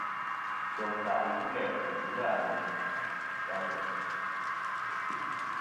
Ngem ka i bu læ kum bula àmbu' a ngèm.